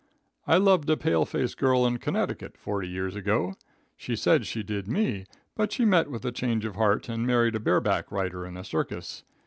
"I loved a pale faced girl in Connecticut forty years ago. She said she did me, but she met with a change of heart and married a bare back rider in a circus.